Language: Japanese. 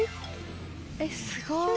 えすごい。